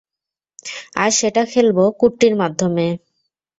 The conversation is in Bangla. আর সেটা খেলব কুট্টির মাধ্যমে।